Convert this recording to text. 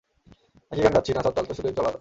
একই গান গাচ্ছি, নাচার তালটা শুধু একটু আলাদা।